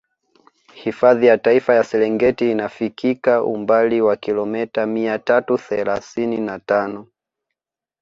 Hifadhi ya Taifa ya Serengeti inafikika umbali wa kilomita mia tatu thelasini na tano